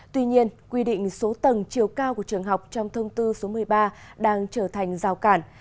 tuy nhiên quy định số tầng chiều cao của trường học trong thông tư số một mươi ba đang trở thành rào cản